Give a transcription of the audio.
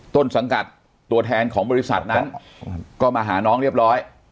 ต้นสังกัดตัวแทนของบริษัทนั้นก็มาหาน้องเรียบร้อย